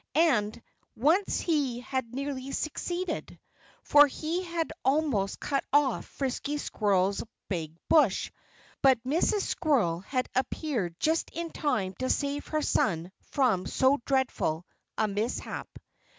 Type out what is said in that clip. And once he had nearly succeeded. For he almost cut off Frisky Squirrel's big brush. But Mrs. Squirrel had appeared just in time to save her son from so dreadful a mishap.